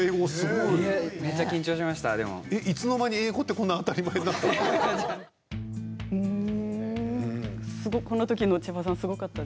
いつの間に英語ってこんな当たり前になったの？